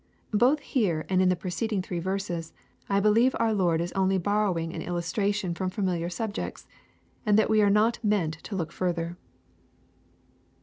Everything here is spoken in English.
Both here and in the preceding three verses, I believe our Lord is only borrowing an illustration from familiar subjects, and that we are not meant to look further.